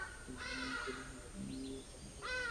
যে মহিলা আমার কানে কথা বলছে তুমি কি ওর সাথে জড়িত?